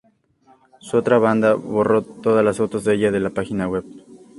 Su otra banda borró todas las fotos de ella de la página web.